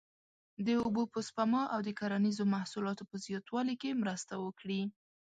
د اوبو په سپما او د کرنیزو محصولاتو په زیاتوالي کې مرسته وکړي.